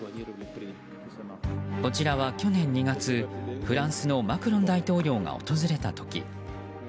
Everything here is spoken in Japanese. こちらは去年２月フランスのマクロン大統領が訪れた時。